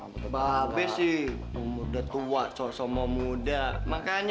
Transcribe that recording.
mbak be sih umur udah tua sosoma muda makanya